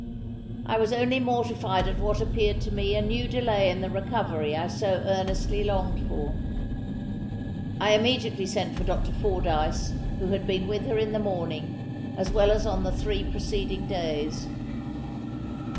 I was only mortified at what appeared to me a new delay in the recovery I so earnestly longed for. I immediately sent for Dr. Fordyce, who had been with her in the morning, as well as on the three preceding days.